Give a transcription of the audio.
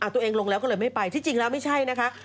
ตัวเองลงแล้วก็เลยไม่ไปที่จริงแล้วไม่ใช่นะคะ